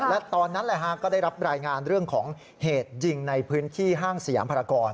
และตอนนั้นก็ได้รับรายงานเรื่องของเหตุยิงในพื้นที่ห้างสยามภารกร